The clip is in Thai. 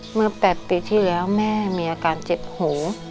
เมื่อ๘ปีที่แล้วแม่มีอาการเจ็บหู